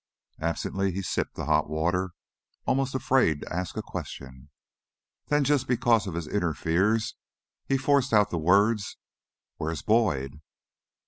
Absently he sipped the hot water, almost afraid to ask a question. Then, just because of his inner fears, he forced out the words: "Where's Boyd?"